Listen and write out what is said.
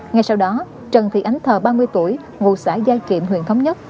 ngay sau đó trần thị ánh thờ ba mươi tuổi ngụ xã giai kiệm huyện thống nhất